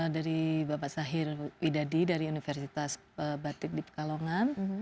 dari bapak sahir widadi dari universitas batik di pekalongan